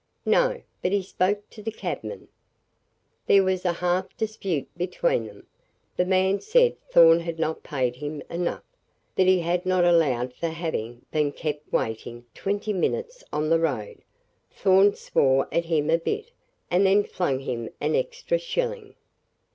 "No. But he spoke to the cabman. There was a half dispute between them. The man said Thorn had not paid him enough, that he had not allowed for having been kept waiting twenty minutes on the road. Thorn swore at him a bit, and then flung him an extra shilling."